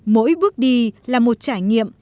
mỗi bước đi là một trải nghiệm